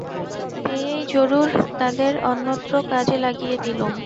পেয়েই জরুর তাদের অন্যত্র কাজে লাগিয়ে দিলুম।